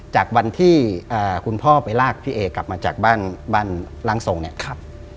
จากวันที่คุณพ่อไปลากพี่เอกลับมาจากบ้านบ้านร่างทรงเนี่ย